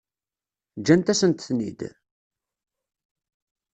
Ǧǧant-asent-ten-id?